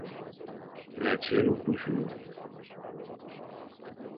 لا چھیرو پوشور